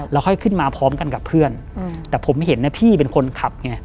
แล้วค่อยขึ้นมาพร้อมกันกับเพื่อนแต่ผมเห็นนะพี่เป็นคนขับไง